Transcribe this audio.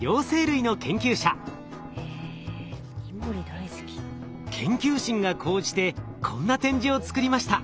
研究心が高じてこんな展示を作りました。